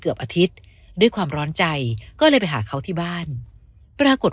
อาทิตย์ด้วยความร้อนใจก็เลยไปหาเขาที่บ้านปรากฏ